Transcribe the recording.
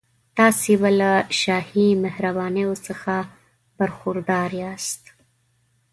تاسي به له شاهي مهربانیو څخه برخوردار یاست.